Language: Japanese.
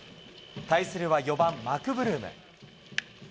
対するは４番マクブルーム。